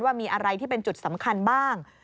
ว่ามีอะไรที่เป็นจุดสำคัญบ้าง